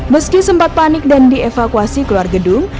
meski sempat panik dan dievakuasi keluar gedung